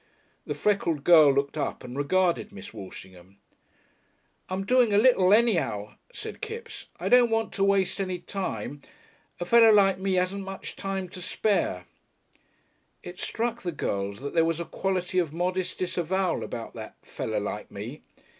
The freckled girl looked up and regarded Miss Walshingham. "I'm doing a little, anyhow," said Kipps. "I don't want to waste any time. A feller like me hasn't much time to spare." It struck the girls that there was a quality of modest disavowal about that "feller like me."